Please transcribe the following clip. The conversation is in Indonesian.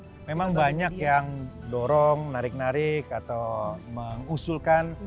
ya memang banyak yang dorong narik narik atau mengusulkan